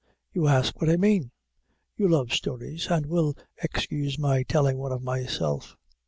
You ask what I mean? You love stories, and will excuse my telling one of myself.